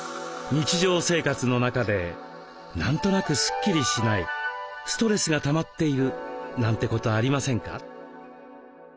日常生活の中で何となくスッキリしないストレスがたまっているなんてことありませんか？